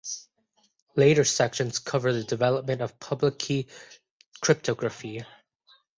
Later sections cover the development of public-key cryptography.